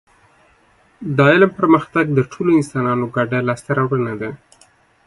د علم پرمختګ د ټولو انسانانو ګډه لاسته راوړنه ده